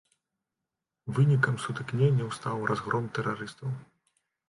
Вынікам сутыкненняў стаў разгром тэрарыстаў.